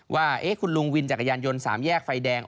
ว่าคุณลุงวินจักรยานยนต์๓แยกไฟแดง